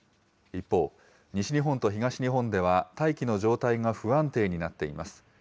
一方、西日本と東日本では、大気の状態が不安定になっています。